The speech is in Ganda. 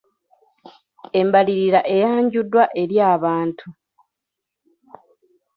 Embalirira eyanjuddwa eri abantu.